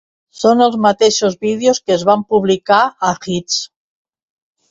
Són els mateixos vídeos que es van publicar a "Hits!